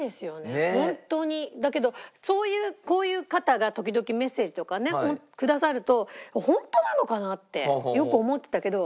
だけどこういう方が時々メッセージとかねくださると本当なのかな？ってよく思ってたけど。